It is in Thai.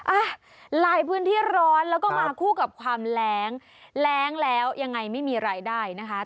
อ่ะหลายพื้นที่ร้อนแล้วก็มาคู่กับความแรงแร้งแล้วยังไงไม่มีรายได้นะคะ